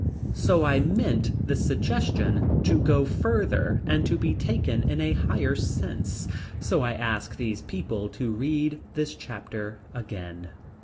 But I meant this suggestion to go further, and to be taken in a higher sense, so I ask these people to read this chapter again.